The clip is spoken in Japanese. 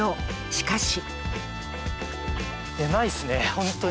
しかし。